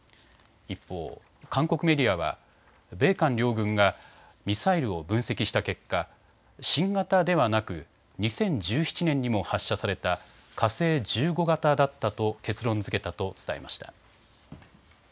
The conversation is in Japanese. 一方、韓国メディアは米韓両軍がミサイルを分析した結果、新型ではなく２０１７年にも発射された火星１５型だったと結論づけたと伝えました。